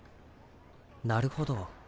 なるほど。